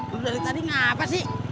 lu dari tadi ngapa sih